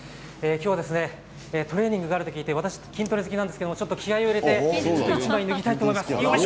今日、トレーニングがあると聞いて私、筋トレ好きなんですが気合いを入れて１枚脱ぎたいと思います。